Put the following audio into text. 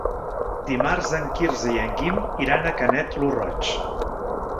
Dimarts en Quirze i en Guim iran a Canet lo Roig.